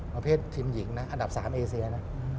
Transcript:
ประเภททีมหญิงนะอันดับ๓เอเซียนะ